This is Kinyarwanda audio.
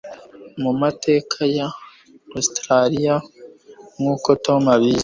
mumateka ya Australiya nkuko Tom abizi